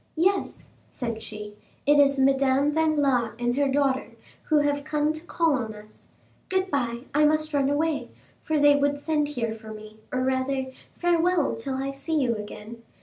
"Yes," said she, "it is Madame Danglars and her daughter, who have come to call on us. Good bye;—I must run away, for they would send here for me, or, rather, farewell till I see you again.